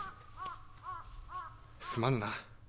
すまぬな。